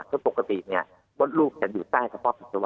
เพราะปกติมดลูกจะอยู่ใต้กระเพาะปัสสาวะ